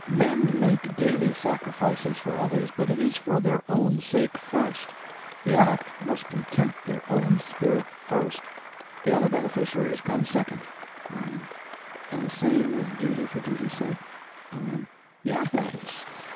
Men make daily sacrifices for others, but it is for their own sake first. The act must content their own spirit first. The other beneficiaries come second. Y.M. And the same with duty for duty's sake? O.M. Yes.